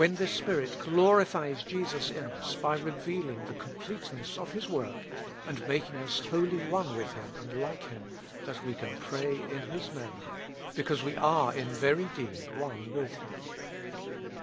this Spirit glorifies Jesus in us by revealing the com pleteness of His work, and making us wholly one with Him and like Him, that we can pray in His Name, because we are in very deed one with Him.